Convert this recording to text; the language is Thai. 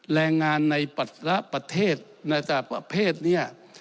แรงงานในปัสระประเทศในแต่ละประเภทเนี่ย